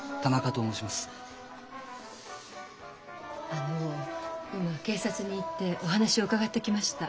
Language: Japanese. あの今警察に行ってお話を伺ってきました。